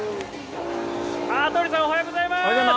羽鳥さんおはようございます！